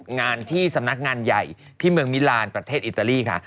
งานที่สำนักงานใหญ่ที่เมืองมิลานประเทศอิตาลีค่ะ